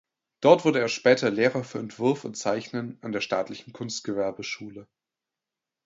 Dort wurde er später Lehrer für Entwurf und Zeichnen an der Staatlichen Kunstgewerbeschule.